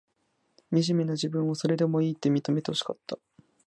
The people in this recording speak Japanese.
みじめな自分を、それでもいいって、認めてほしかった。